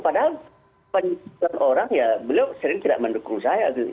padahal penjelasan orang ya beliau sering tidak mendukung saya